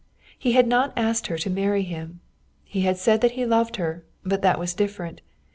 He had not asked her to marry him. He had said that he loved her, but that was different.